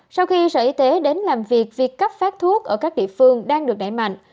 sau khi sở y tế đến làm việc việc cấp phát thuốc ở các địa phương đang được đẩy mạnh